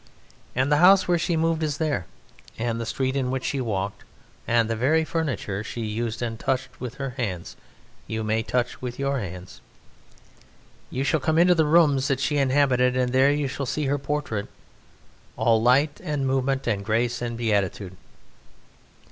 And the house where she moved is there and the street in which she walked, and the very furniture she used and touched with her hands you may touch with your hands. You shall come into the rooms that she inhabited, and there you shall see her portrait, all light and movement and grace and beatitude.